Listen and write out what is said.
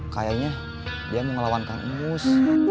kayaknya dia mau ngelawankan emus